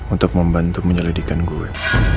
untuk membantu menyelidikan gue